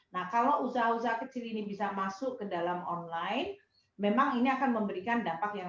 nah kalau usaha usaha kecil ini bisa masuk ke dalam online memang ini akan memberikan dampak yang